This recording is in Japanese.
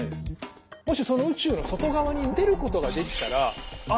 もしその宇宙の外側に出ることができたらあ